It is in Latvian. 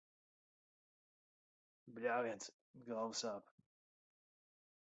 Bļāviens, galva sāp.